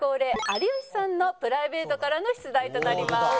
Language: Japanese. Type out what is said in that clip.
有吉さんのプライベートからの出題となります。